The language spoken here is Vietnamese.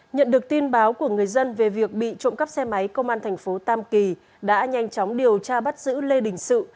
nhận được tin báo của người dân về việc bị trộm cắp xe máy công an thành phố tam kỳ đã nhanh chóng điều tra bắt giữ lê đình sự